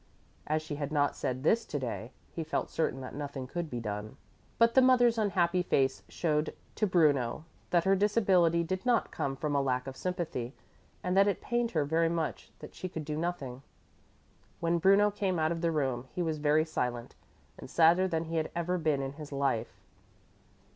As she had not said this to day, he felt certain that nothing could be done. But the mother's unhappy face showed to Bruno that her disability did not come from a lack of sympathy, and that it pained her very much that she could do nothing. When Bruno came out of the room he was very silent and sadder than he had ever been in his life.